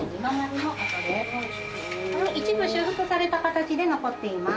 一部修復された形で残っています。